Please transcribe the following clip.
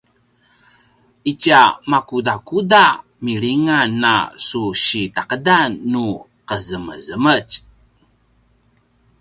itja makudakuda milingan a su sitaqedan nu qezemezemetj?